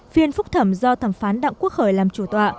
phiên phúc thẩm do thẩm phán đảng quốc hời làm chủ tòa